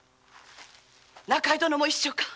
中井殿も一緒か！